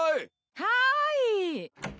はい。